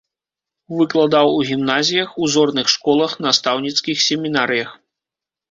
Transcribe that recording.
Выкладаў у гімназіях, узорных школах, настаўніцкіх семінарыях.